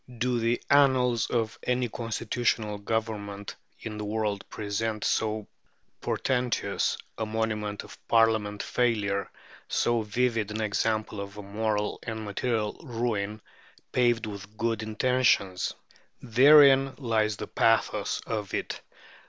Do the annals of any constitutional Government in the world present so portentous a monument of Parliamentary failure, so vivid an example of a moral and material ruin "paved with good intentions"? Therein lies the pathos of it.